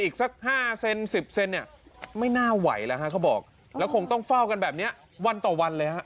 อีกสัก๕เซน๑๐เซนเนี่ยไม่น่าไหวแล้วฮะเขาบอกแล้วคงต้องเฝ้ากันแบบนี้วันต่อวันเลยฮะ